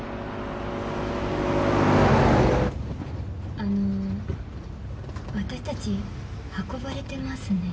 あの私たち運ばれてますね。